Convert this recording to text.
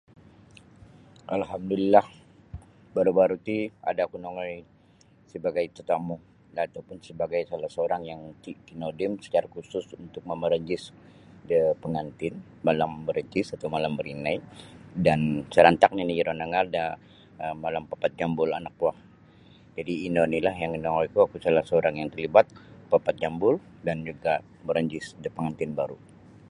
Alhamdulillah baru-baru ti ada oku nongoi sebagai tatamu' dan atau pun sebagai salah saorang yang ki kinodim sacara khusus untuk mamarenjis de pangantin malam berenjis atau malam barinai dan sarantak nini' iro nangaal da um malam papat jambul anak kuo jadi' inolah inongoiku oku salah saorang yang tarlibat papat jambul dan juga' merenjis da pangantin baru'.